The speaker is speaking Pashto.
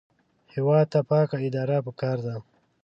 هېواد ته پاکه اداره پکار ده